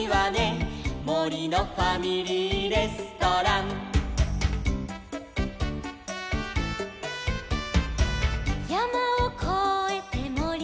「もりのファミリーレストラン」「やまをこえてもりのおく」